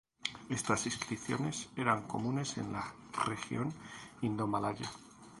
Estas inscripciones eran comunes en la región Indomalaya.